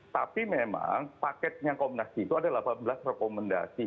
tapi memang paketnya komnas itu ada delapan belas rekomendasi